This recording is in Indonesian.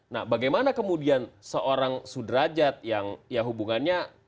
nah bagaimana kemudian seorang sudrajat yang ya hubungannya